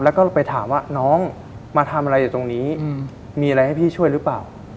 แล้วก็ไปถามว่าน้องมาทำอะไรอยู่ตรงนี้มีอะไรให้พี่ช่วยหรือเปล่า